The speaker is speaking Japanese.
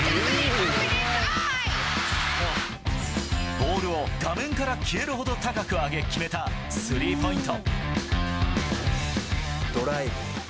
ボールを画面から消えるほど高く上げ決めた、スリーポイント。